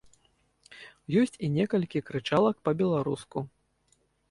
Ёсць і некалькі крычалак па-беларуску.